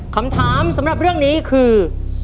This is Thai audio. คำถามสำหรับเรื่องนี้คือ